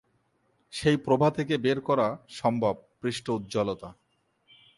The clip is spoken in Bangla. সেই প্রভা থেকে বের করা সম্ভব পৃষ্ঠ উজ্জ্বলতা।